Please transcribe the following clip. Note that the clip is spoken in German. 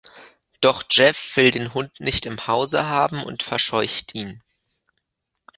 Doch Jeff will den Hund nicht im Hause haben und verscheucht ihn.